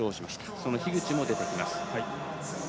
その樋口も出てきます。